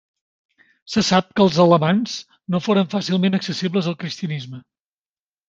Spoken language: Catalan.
Se sap que els alamans no foren fàcilment accessibles al cristianisme.